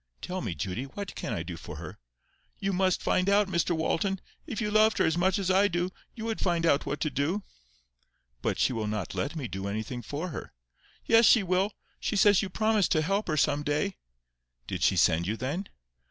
"Tell me, Judy, what CAN I do for her?" "You must find out, Mr Walton. If you loved her as much as I do, you would find out what to do." "But she will not let me do anything for her." "Yes, she will. She says you promised to help her some day." "Did she send you, then?"